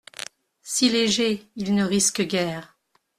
Si légers, ils ne risquent guère.